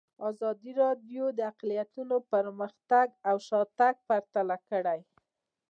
ازادي راډیو د اقلیتونه پرمختګ او شاتګ پرتله کړی.